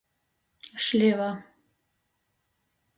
Šliva.